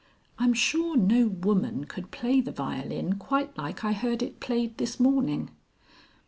"I'm sure no woman could play the violin quite like I heard it played this morning."